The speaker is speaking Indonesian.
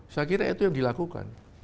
saya kira itu yang dilakukan